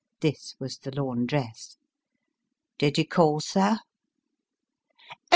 This was the laundress. " Did you call, sir ?"" Oh